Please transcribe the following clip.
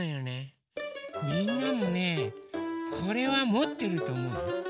みんなもねこれはもってるとおもうよ。